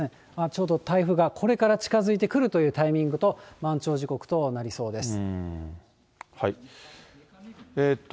ちょうど台風がこれから近づいてくるというタイミングと、満潮時刻となりそうです。